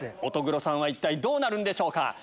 乙黒さんは一体どうなるんでしょうか。